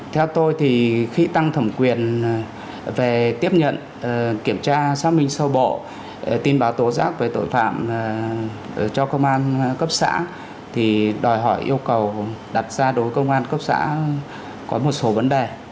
theo tôi thì khi tăng thẩm quyền về tiếp nhận kiểm tra xác minh sâu bộ tin báo tố giác về tội phạm cho công an cấp xã thì đòi hỏi yêu cầu đặt ra đối với công an cấp xã có một số vấn đề